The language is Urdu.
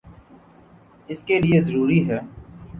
اس کے لئیے ضروری ہے